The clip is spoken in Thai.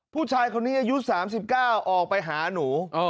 ผู้ชายคนนี้อายุ๓๙ออกไปหาหนู